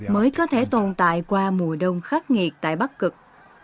mới có thể tồn tại qua mùa đông khắc nghiệt tại bắc cực